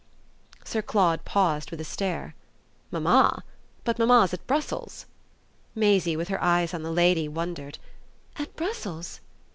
Sir Claude paused with a stare. "Mamma? But mamma's at Brussels." Maisie, with her eyes on the lady, wondered. "At Brussels?"